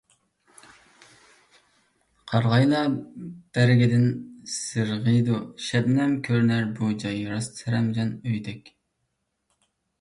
قارىغايلار بەرگىدىن سىرغىيدۇ شەبنەم، كۆرۈنەر بۇ جاي راست سەرەمجان ئۆيدەك.